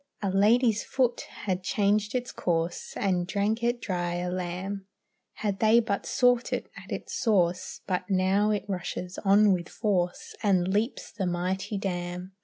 A lady's foot had changed its course, And drank it dry a lamb, Had they but sought it at its source; But now it rushes on with force And leaps the mighty dam.